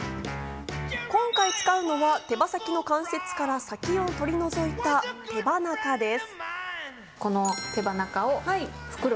今回使うのは手羽先の関節から先を取り除いた手羽中です。